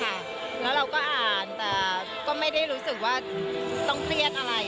แล้วเราก็อ่านแต่ก็ไม่ได้รู้สึกว่าต้องเครียดอะไร